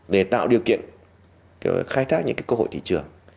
để tạo điều kiện khai thác những cái cơ hội thị trường